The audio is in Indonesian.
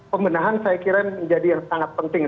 pembenahan saya kira menjadi yang sangat penting